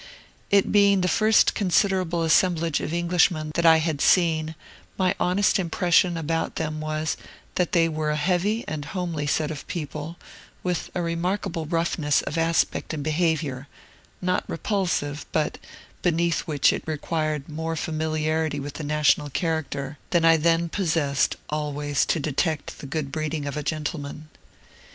It being the first considerable assemblage of Englishmen that I had seen, my honest impression about then was, that they were a heavy and homely set of people, with a remarkable roughness of aspect and behavior, not repulsive, but beneath which it required more familiarity with the national character than I then possessed always to detect the good breeding of a gentleman.